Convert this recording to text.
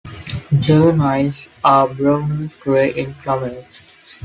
Juveniles are browner grey in plumage.